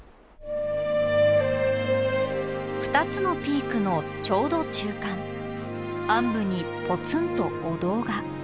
２つのピークのちょうど中間あん部にぽつんとお堂が。